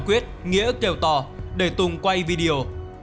quyết nghĩa kêu tò để tùng quay video